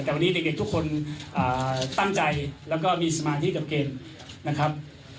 แต่วันนี้เด็กทุกคนตั้งใจแล้วก็มีสมาธิกับเกมนะครับ